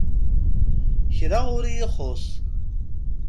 Kra ur iyi-ixus.